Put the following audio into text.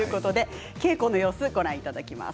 稽古の様子をご覧いただきます。